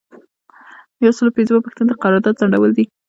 یو سل او پنځمه پوښتنه د قرارداد ځنډول دي.